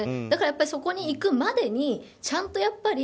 だからそこに行くまでにちゃんと。